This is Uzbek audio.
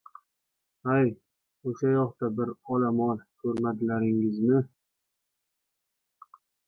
— Hay, o‘sha yoqda bir ola mol ko‘rmadilaringizmi?